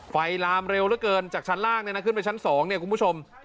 ลามเร็วเหลือเกินจากชั้นล่างเนี่ยนะขึ้นไปชั้น๒เนี่ยคุณผู้ชม